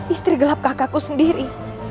istri gelap kakakku sendiri